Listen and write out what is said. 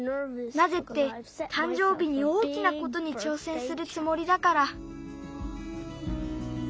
なぜってたん生日に大きなことにちょうせんするつもりだから。